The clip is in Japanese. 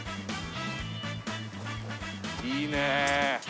いいね。